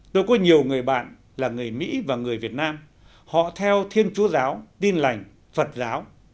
tôi có nhiều người bạn là người mỹ và người việt nam họ theo thiên chúa giáo tin lành phật giáo